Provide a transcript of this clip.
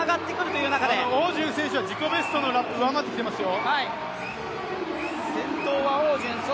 汪順選手は自己ベストのラップを上回ってきていますよ。